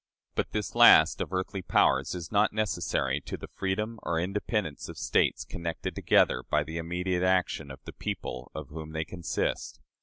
But this last of earthly powers is not necessary to the freedom or independence of States connected together by the immediate action of the people of whom they consist.